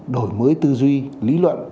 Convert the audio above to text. đổi mới tư duy lý luận